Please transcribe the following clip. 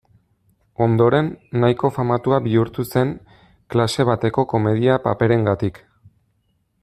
Ondoren, nahiko famatua bihurtu zen klase bateko komedia paperengatik.